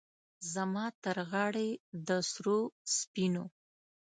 زما ترغاړې د سرو، سپینو،